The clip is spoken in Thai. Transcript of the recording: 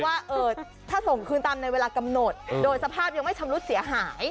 ว่าถ้าส่งคืนตามในเวลากำหนดโดยสภาพยังไม่ชำรุดเสียหาย